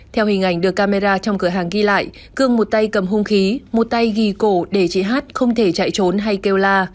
theo hình ảnh được camera trong cửa hàng ghi lại cương một tay cầm hung khí một tay ghi cổ để chị hát không thể chạy trốn hay kêu la